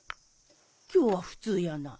今日は普通やな。